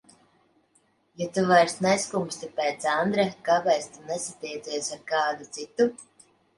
Ja tu vairs neskumsti pēc Andra, kāpēc tu nesatiecies ar kādu citu?